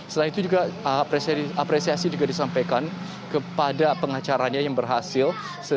selain itu juga apresiasi juga disampaikan kepada pengacaranya yang berhasil